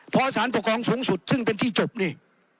พอสารปกครองสูงสุดซึ่งเป็นที่จบนี่